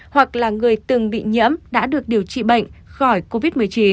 hoặc là người từng bị nhiễm đã được điều trị bệnh khỏi covid một mươi chín